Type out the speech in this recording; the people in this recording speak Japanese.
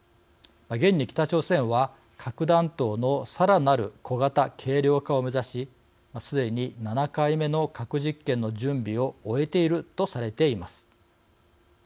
現に北朝鮮は核弾頭のさらなる小型・軽量化を目指しすでに７回目の核実験の準備を終えているとされています。